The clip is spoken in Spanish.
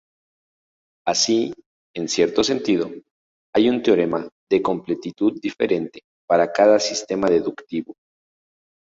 Así, en cierto sentido, hay un teorema de completitud diferente para cada sistema deductivo.